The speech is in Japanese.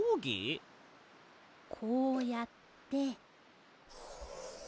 こうやって。